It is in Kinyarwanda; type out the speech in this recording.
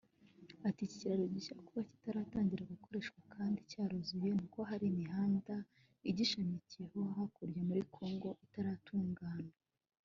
Ati ”Iki kiraro gishya kuba kitaratangira gukoreshwa kandi cyaruzuye ni uko hari imihanda igishamikiyeho hakurya muri congo itaratunganywa